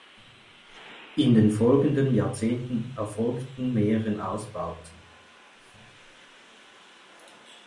In den folgenden Jahrzehnten erfolgten mehrere Ausbauten.